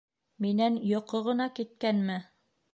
Минән йоҡо ғына киткәнме?